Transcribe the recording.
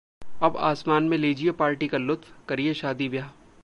अब आसमान में लीजिए पार्टी का लुत्फ, करिए शादी-ब्याह